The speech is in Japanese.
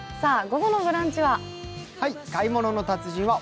午後の「ブランチ」は？